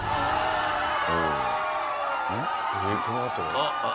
あっ！